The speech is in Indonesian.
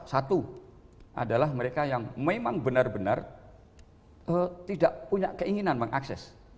satu adalah mereka yang memang benar benar tidak punya keinginan mengakses